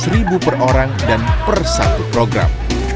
rp lima ratus per orang dan per satu program